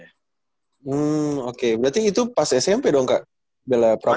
hmm oke berarti itu pas smp dong kak bela pramuka